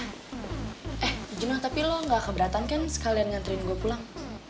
eh jenuh tapi lo gak keberatan kan sekalian ngantriin gue pulang